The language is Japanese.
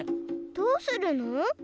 どうするの？